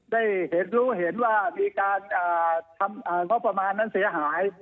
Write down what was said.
ได้เห็นรู้เห็นว่ามีการทำงบประมาณนั้นเสียหาย